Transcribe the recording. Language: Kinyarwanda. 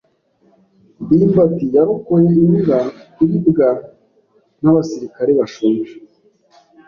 ndimbati yarokoye imbwa kuribwa n'abasirikare bashonje.